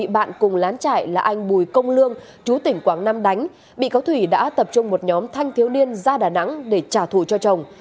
bị cao thủy đã tập trung một nhóm thanh thiếu niên ra đà nẵng để trả thù cho chồng